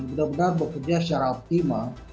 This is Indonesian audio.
benar benar bekerja secara optimal